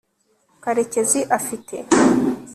karekezi afite